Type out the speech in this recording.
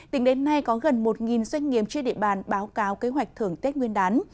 tính đến nay có gần một doanh nghiệp trên địa bàn báo cáo kế hoạch thưởng tết nguyên đán